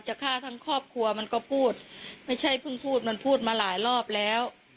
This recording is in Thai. จะฆ่าทั้งครอบครัวมันก็พูดไม่ใช่เพิ่งพูดมันพูดมาหลายรอบแล้ว